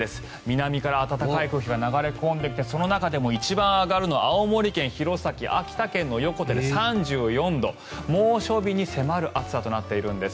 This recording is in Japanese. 南から暖かい空気が流れ込んできてその中でも一番上がるのは青森県の弘前秋田県の横手で３４度猛暑日に迫る暑さとなっているんです。